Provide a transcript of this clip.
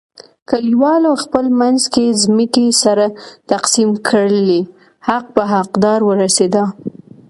کلیوالو خپل منځ کې ځمکې سره تقسیم کړلې، حق په حق دار ورسیدا.